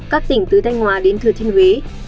các tỉnh từ thanh hòa đến thừa thiên huế